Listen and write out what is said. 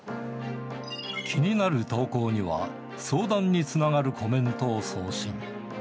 気になる投稿には、相談につながるコメントを送信。